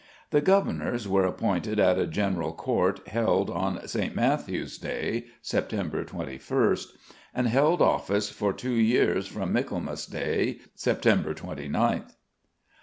The governors were appointed at a general court held on St. Matthew's Day (Sept. 21st), and held office for two years from Michaelmas Day (Sept. 29th).